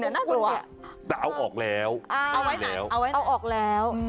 เอาออกแล้ว